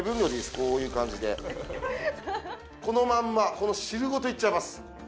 こういう感じでこのまんまこの汁ごといっちゃいます